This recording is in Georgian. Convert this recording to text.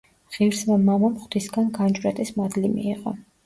ღირსმა მამამ ღვთისგან განჭვრეტის მადლი მიიღო.